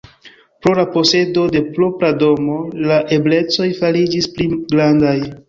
Pro la posedo de propra domo, la eblecoj fariĝis pli grandaj.